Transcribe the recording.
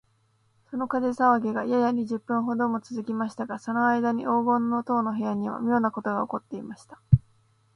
その火事さわぎが、やや二十分ほどもつづきましたが、そのあいだに黄金の塔の部屋には、みょうなことがおこっていました。